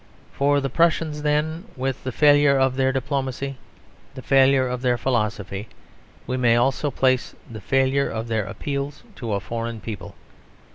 For the Prussians, then, with the failure of their diplomacy, the failure of their philosophy, we may also place the failure of their appeals to a foreign people.